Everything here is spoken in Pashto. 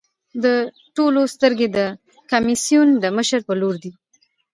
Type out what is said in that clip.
د ټولو سترګې د کمېسیون د مشر په لور دي.